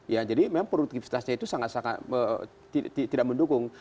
ya jadi memang produktivitasnya itu sangat sangat tidak mendukung